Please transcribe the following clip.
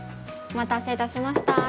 お待たせいたしました。